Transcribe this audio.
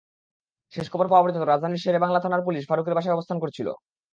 শেষ খবর পাওয়া পর্যন্ত রাজধানীর শেরে বাংলা থানার পুলিশ ফারুকীর বাসায় অবস্থান করছিল।